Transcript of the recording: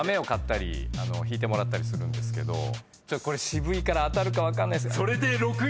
これ渋いから当たるか分かんない。